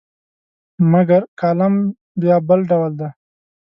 مګر کالم بیا بل ډول دی.